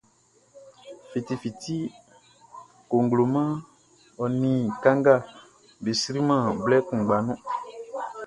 Fiti fiti cogloman ɔ ni kanga be sri man blɛ kuʼngba nu.